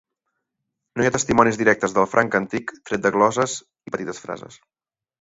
No hi ha testimonis directes del franc antic tret de glosses i petites frases.